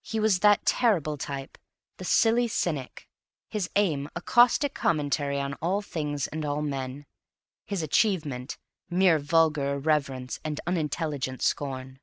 He was that terrible type, the Silly Cynic, his aim a caustic commentary on all things and all men, his achievement mere vulgar irreverence and unintelligent scorn.